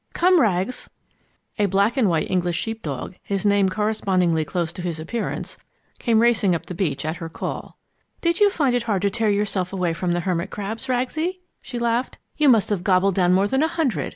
Come, Rags!" A black and white English sheep dog, his name corresponding closely to his appearance, came racing up the beach at her call. "Did you find it hard to tear yourself away from the hermit crabs, Ragsie?" she laughed. "You must have gobbled down more than a hundred.